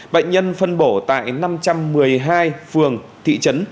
bệnh nhân phân bổ tại năm trăm một mươi hai phường thị trấn